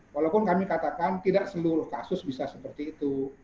walaupun kami katakan tidak seluruh kasus bisa seperti itu